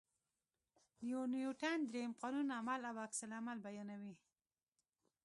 د نیوټن درېیم قانون عمل او عکس العمل بیانوي.